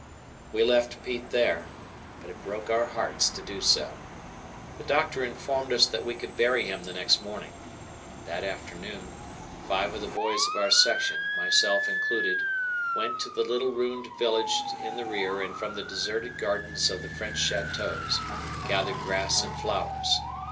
We left Pete there, but it broke our hearts to do so. The doctor informed us that we could bury him the next morning. That afternoon, five of the boys of our section, myself included, went to the little ruined village in the rear and from the deserted gardens of the French chateaux gathered grass and flowers.